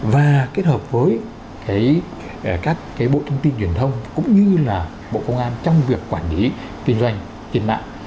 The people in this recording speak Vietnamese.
và kết hợp với các bộ thông tin truyền thông cũng như là bộ công an trong việc quản lý kinh doanh trên mạng